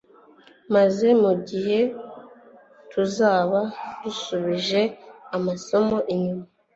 maze mu gihe tuzaba dusubije amaso inyuma